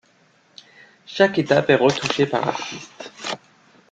Chaque étape est retouchée par l‘artiste.